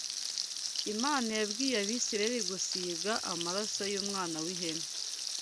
Imana yabwiye Abisirayeli gusiga amaraso y’umwana w’ihene